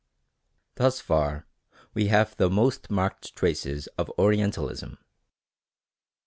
Thus far we have the most marked traces of Orientalism.